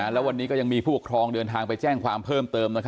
แล้ววันนี้ก็ยังมีผู้ปกครองเดินทางไปแจ้งความเพิ่มเติม